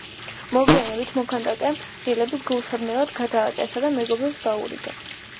მოგვიანებით მოქანდაკემ ღილები გულსაბნევებად გადააკეთა და მეგობრებს დაურიგა.